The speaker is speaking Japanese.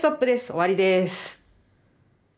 終わりです。